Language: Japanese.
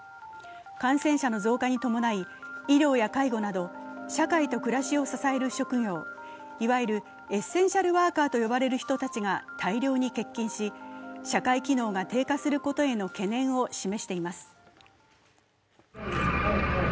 感染者の増加に伴い、医療や介護など社会と暮らしを支える職業、いわゆるエッセンシャルワーカーと呼ばれる人たちが大量に欠勤し社会機能が低下することへの懸念を示しています。